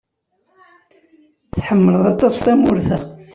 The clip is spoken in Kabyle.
Ḥemmleɣ aṭas tamurt-a.